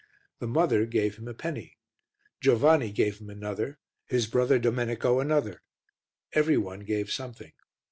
The mother gave him a penny, Giovanni gave him another, his brother, Domenico, another every one gave something.